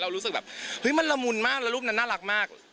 รู้สึกแบบเฮ้ยมันละมุนมากแล้วรูปนั้นน่ารักมาก